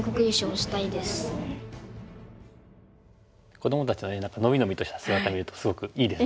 子どもたちの伸び伸びとした姿見るとすごくいいですね。